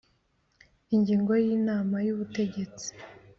Ingingo ya Inama y ubutegetsi